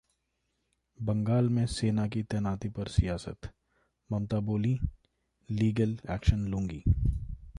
बंगाल में सेना की तैनाती पर सियासत, ममता बोलीं- लीगल एक्शन लूंगी